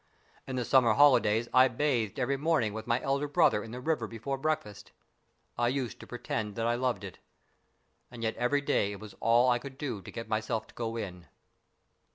In the summer holidays I bathed every morning with my elder brother in the river before breakfast. I used to pretend that I loved it. And yet every day it was all I could do to get myself to go in.